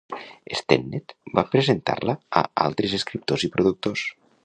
Stennett va presentar-la a altres escriptors i productors.